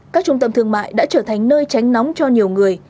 các trung tâm thương mại đã trở thành nơi tránh nóng cho nhiều người